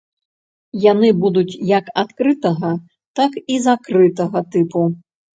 Яны будуць як адкрытага, так і закрытага тыпу.